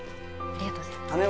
ありがとうございます